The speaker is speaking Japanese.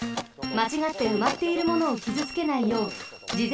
まちがってうまっているものをきずつけないようじ